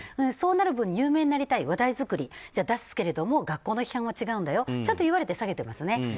そうなる分有名になりたい、話題作りで出すけれども学校の批判は違うんだよちゃんと言われて下げていますね。